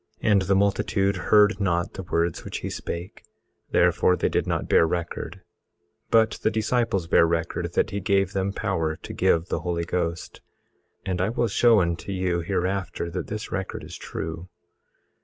18:37 And the multitude heard not the words which he spake, therefore they did not bear record; but the disciples bare record that he gave them power to give the Holy Ghost. And I will show unto you hereafter that this record is true.